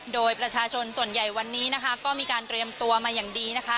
โดยประชาชนส่วนใหญ่วันนี้นะคะก็มีการเตรียมตัวมาอย่างดีนะคะ